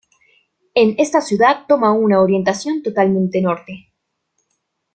En esta ciudad, toma una orientación totalmente norte.